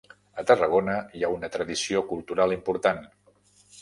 A Tarragona hi ha una tradició cultural important.